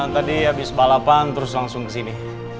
tadi habis balapan terus langsung ke sini